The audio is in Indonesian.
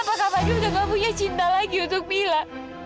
kak fadil udah gak punya cinta lagi untuk mila